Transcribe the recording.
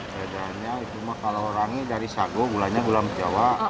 bedaannya cuma kalau rangi dari sago gulanya gula menjawa